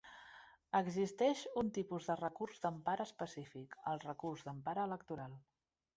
Existeix un tipus de recurs d'empara específic, el recurs d'empara electoral.